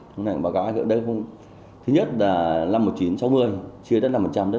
thứ nhất là năm một nghìn chín trăm sáu mươi chia đất năm đất nông nghiệp năm